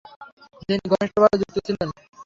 তিনি ঘনিষ্ঠভাবে যুক্ত ছিলেন।